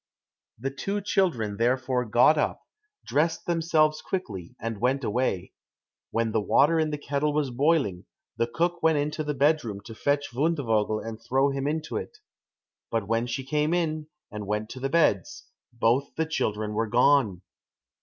The two children therefore got up, dressed themselves quickly, and went away. When the water in the kettle was boiling, the cook went into the bed room to fetch Fundevogel and throw him into it. But when she came in, and went to the beds, both the children were gone.